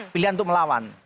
pilihan untuk melawan